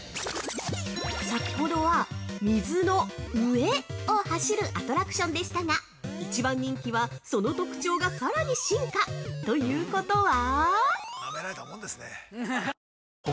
先ほどは、水の上を走るアトラクションでしたが一番人気は、その特徴がさらに進化！ということは？